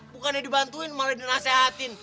bukannya dibantuin malah dinasehatin